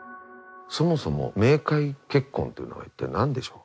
そもそも冥界結婚というのはいったい何でしょう？